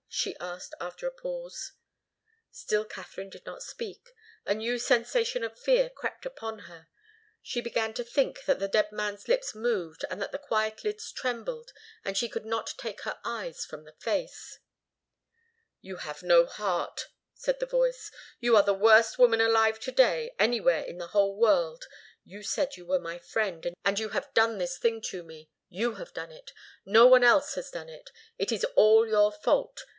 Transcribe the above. she asked after a pause. Still Katharine did not speak. A new sensation of fear crept upon her. She began to think that the dead man's lips moved and that the quiet lids trembled, and she could not take her eyes from the face. "You have no heart," said the voice. "You are the worst woman alive to day, anywhere in the whole world. You said you were my friend, and you have done this thing to me. You have done it. No one else has done it. It is all your fault.